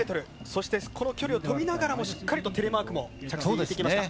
そして、この距離を飛びながらもしっかりとテレマークも着地に入れてきました。